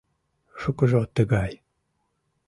Шукыжо тыгай.